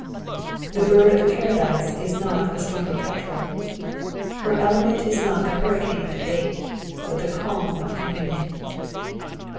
The bird of Paradise is not a stormy petrel : her element is not the hurricane of debate, but the calm of communion.